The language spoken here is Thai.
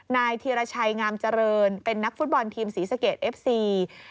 นายธีรชัยงามเจริญเป็นนักฟุตบอลทีมศรีสะเกดเอฟซี